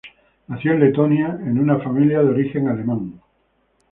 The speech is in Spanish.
Nació en Letonia en una familia de origen alemán.